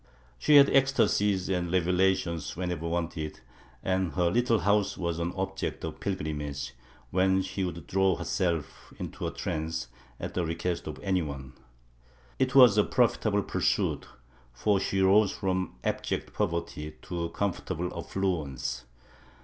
She had ecstasies and revelations whenever wanted, and her little house was an object of pilgrimage, when she would throw herself into a trance at the request of any one. It was a profitable pur suit, for she rose from abject poverty to comfortable affluence.